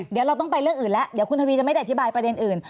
เดี๋ยวเราต้องไปเรื่องอื่นแล้วเดี๋ยวคุณทวีจะอะไรแบบอื่น